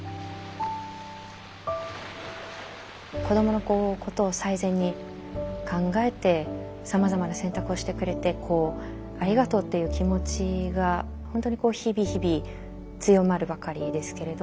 子どものことを最善に考えてさまざまな選択をしてくれてありがとうっていう気持ちが本当に日々日々強まるばかりですけれど。